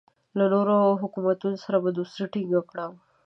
له نورو حکومتونو سره به دوستي ټینګه کړم.